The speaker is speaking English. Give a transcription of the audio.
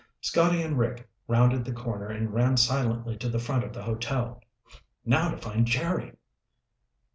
Scotty and Rick rounded the corner and ran silently to the front of the hotel. Now to find Jerry!